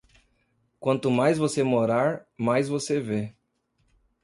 Quanto mais você morar, mais você vê.